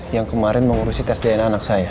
yang kemarin mengurusi tes dna anak saya